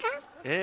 え！